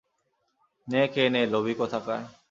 নে, খেয়ে নে লোভী কোথাকার!